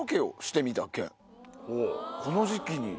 この時期に！